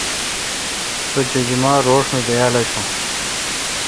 سو جیجما روݭ می بیال اشو۔